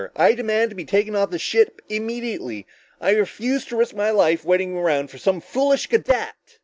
I demand to be taken off this ship immediately! I refuse to risk my life waiting around for some foolish cadet!"